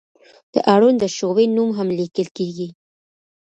د اړونده شعبې نوم هم لیکل کیږي.